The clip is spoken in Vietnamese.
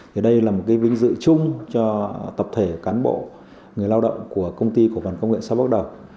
thì đây là một cái vinh dự chung cho tập thể cán bộ người lao động của công ty của văn phòng nguyễn sao bắc đồng